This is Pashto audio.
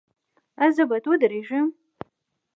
ایا زه باید ودریږم؟